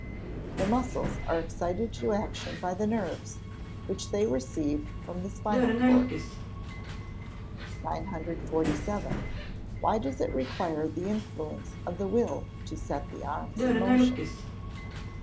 _ The muscles are excited to action by the nerves, which they receive from the spinal cord. 947. _Why does it require the influence of the will to set the arms in motion?